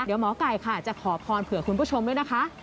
เดี๋ยวหมอไก่ค่ะจะขอพรเผื่อคุณผู้ชมด้วยนะคะ